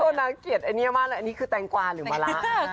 โทนนะเกียจอันนี้คือแตงกวาหรือมะละ